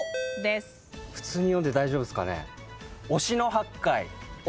普通に読んで大丈夫っすかね？